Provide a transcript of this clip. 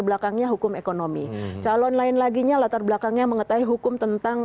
belakangnya hukum ekonomi calon lain laginya latar belakangnya mengetahui hukum tentang